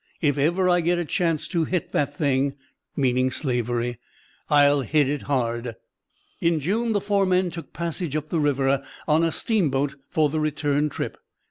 If ever I get a chance to hit that thing" meaning slavery "I'll hit it hard!" In June the four men took passage up the river on a steamboat for the return trip.